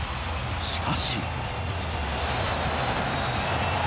しかし。